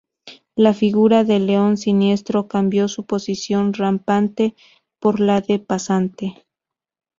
La figura del león siniestro cambió su posición rampante por la de pasante.